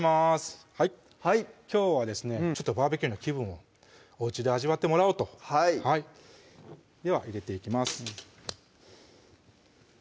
はいきょうはですねちょっとＢＢＱの気分をおうちで味わってもらおうとはいでは入れていきます